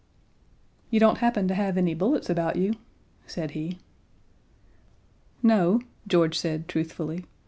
"You don't happen to have any bullets about you?" said he. "No," George said, truthfully.